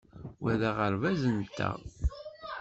Wa d aɣerbaz-nteɣ.